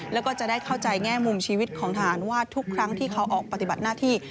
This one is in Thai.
แล้วก็จะได้เข้าใจแง่มุมชีวิตของทหารว่าทุกครั้งที่เขาออกปฏิบัติหน้าที่